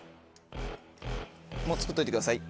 もう作っといてください。